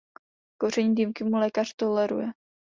Kouření dýmky mu lékař toleruje.